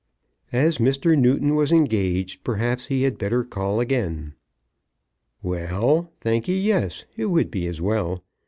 "As Mr. Newton was engaged perhaps he had better call again." "Well; thankee, yes. It would be as well.